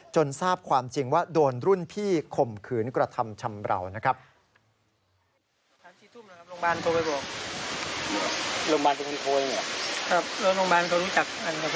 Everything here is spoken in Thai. ทราบความจริงว่าโดนรุ่นพี่ข่มขืนกระทำชำราวนะครับ